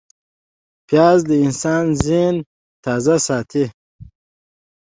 پیاز د انسان ذهن تازه ساتي